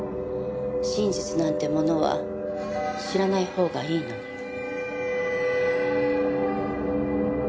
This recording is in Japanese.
真実なんてものは知らないほうがいいのに。